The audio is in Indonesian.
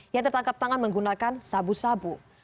yang tertangkap tangan menggunakan sabu sabu